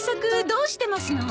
どうしてますの？